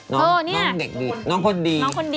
น้องเด็กดีน้องคนดีน้องคนดี